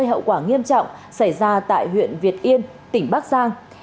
hậu quả nghiêm trọng xảy ra tại huyện việt yên tỉnh bắc giang